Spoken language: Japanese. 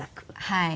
はい。